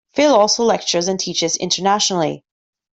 Phil also lectures and teaches internationally.